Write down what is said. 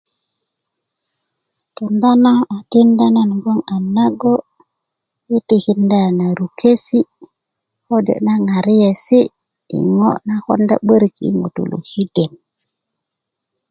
kenda na a tinda na yi gboŋ a nago' yi tikinda na rukesi' kode' na ŋariyesi' yi ŋo na konda 'börik yi ŋutulu kiden